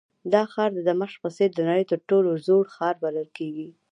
دا ښار د دمشق په څېر د نړۍ تر ټولو زوړ ښار بلل کېږي.